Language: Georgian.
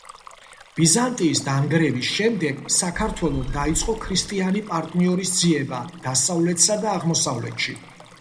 ბიზანტიის დანგრევის შემდეგ საქართველომ დაიწყო ქრისტიანი პარტნიორის ძიება დასავლეთსა და აღმოსავლეთში.